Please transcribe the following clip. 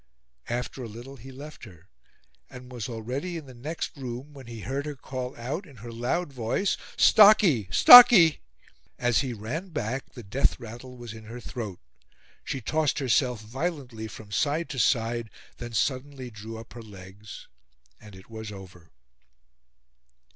After a little he left her, and was already in the next room when he heard her call out in her loud voice: "Stocky! Stocky!" As he ran back the death rattle was in her throat. She tossed herself violently from side to side; then suddenly drew up her legs, and it was over.